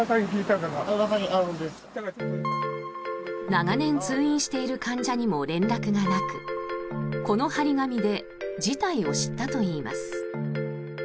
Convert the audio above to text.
長年通院している患者にも連絡がなくこの貼り紙で事態を知ったといいます。